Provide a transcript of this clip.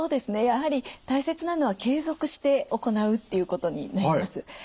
やはり大切なのは継続して行うっていうことになります。